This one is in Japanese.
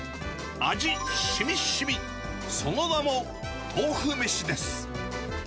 味しみしみ、その名も豆腐めしです。